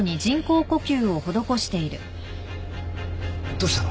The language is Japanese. どうしたの？